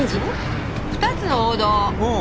「２つの王道」。